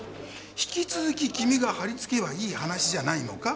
引き続き君が張り付けばいい話じゃないのか？